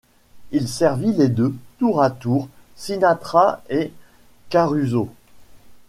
Il servit les deux, tour à tour Sinatra et Caruso.